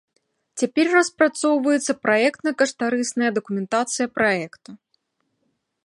Цяпер распрацоўваецца праектна-каштарысная дакументацыя праекта.